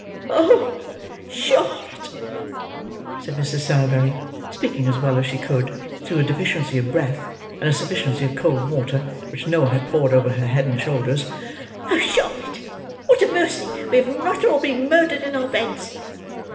"Oh! Charlotte," said Mrs. Sowerberry: speaking as well as she could, through a deficiency of breath, and a sufficiency of cold water, which Noah had poured over her head and shoulders. "Oh! Charlotte, what a mercy we have not all been murdered in our beds!"